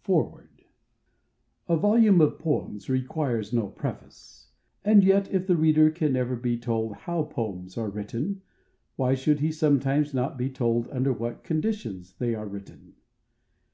Foreword A volume of poems requires no preface; and yet, if the reader can never be told how poems are written, why should he sometimes not be told under what conditions they are written?